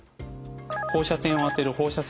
放射線を当てる放射線療法。